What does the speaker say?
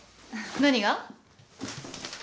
何が？